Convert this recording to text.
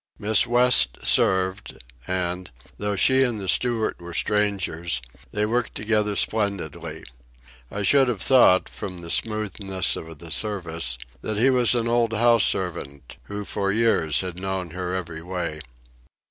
Miss West served, and, though she and the steward were strangers, they worked together splendidly. I should have thought, from the smoothness of the service, that he was an old house servant who for years had known her every way.